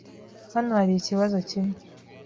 Hano hari ikibazo kimwe.